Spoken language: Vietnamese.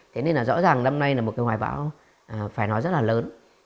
thế nên là rõ ràng năm nay là một cái hoài bão phải nói rất là lớn